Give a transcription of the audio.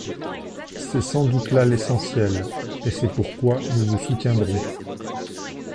C’est sans doute là l’essentiel, et c’est pourquoi nous vous soutiendrons.